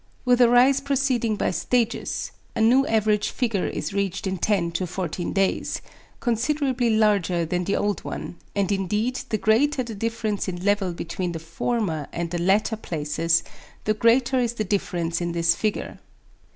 With a rise proceeding by stages, a new average figure is reached in 10 to 14 days, considerably larger than the old one, and indeed the greater the difference in level between the former and the latter places, the greater is the difference in this figure.